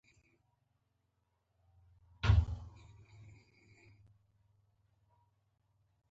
ویرات کهولي د ټېسټ بازي یو لوی کپتان دئ.